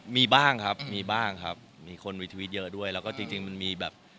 มีบ้างครับมีบ้างครับมีคนวิทวิตเยอะด้วยแล้วก็จริงมันมีแบบ